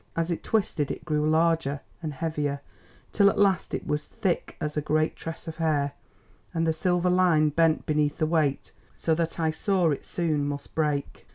As it twisted it grew larger and heavier, till at last it was thick as a great tress of hair, and the silver line bent beneath the weight so that I saw it soon must break.